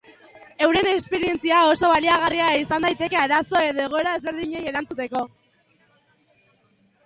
Euren esperientzia oso baliagarria izan daiteke arazo edo egoera ezberdinei erantzuteko.